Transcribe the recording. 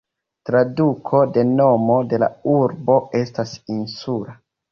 Traduko de nomo de la urbo estas "insula".